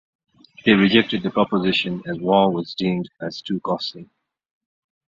They rejected the proposition as war was deemed as too costly.